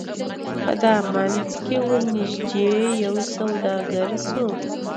په دامنځ کي ورنیژدې یو سوداګر سو